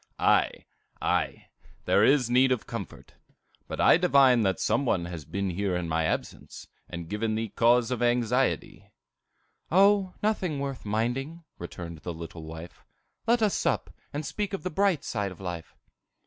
"Ave, aye, there is need of comfort. But I divine that some one has been here in my absence, and given thee cause of anxiety." "O, nothing worth minding," returned the little wife. "Let us sup, and speak of the bright side of life."